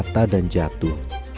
kata dan jatuh